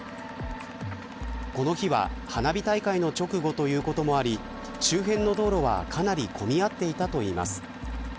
この日は花火大会の直後ということもあり周辺の道路は、かなり混み合っていたといいます。